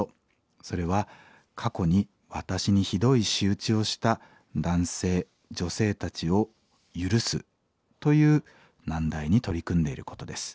それは過去に私にひどい仕打ちをした男性女性たちを許すという難題に取り組んでいることです。